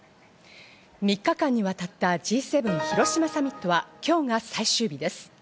３日間にわたったＧ７広島サミットは、きょうが最終日です。